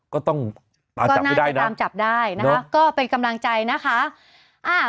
ก็ต้องตามจับได้นะก็เป็นกำลังใจนะคะ